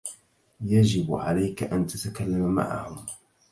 يجب عليك أن تتكّلم معهم.